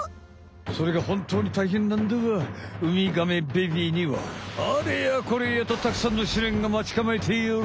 それがほんとうに大変なんだがウミガメベビーにはあれやこれやとたくさんの試練がまちかまえている。